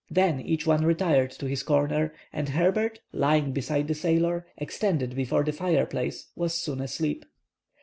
Then each one retired to his corner, and Herbert, lying beside the sailor, extended before the fireplace, was soon asleep.